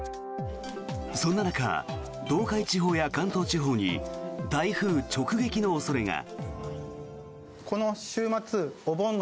そんな中、東海地方や関東地方に台風直撃の恐れが。